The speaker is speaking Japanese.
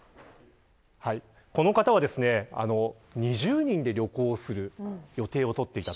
この方は２０人で旅行する予定を取っていた。